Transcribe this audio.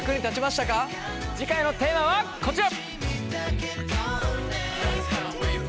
次回のテーマはこちら。